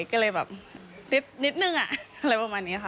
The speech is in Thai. ก็เลยแบบนิดนึงอะไรประมาณนี้ค่ะ